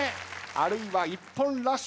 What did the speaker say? あるいは一本ラッシュとなるか。